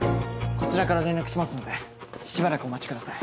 こちらから連絡しますのでしばらくお待ちください。